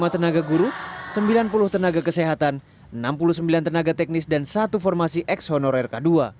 lima tenaga guru sembilan puluh tenaga kesehatan enam puluh sembilan tenaga teknis dan satu formasi ex honorer k dua